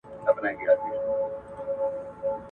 دوه پاچایان پر یو تخت نه ځايېږي ,